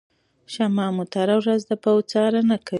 شاه محمود هره ورځ د پوځ څارنه کوي.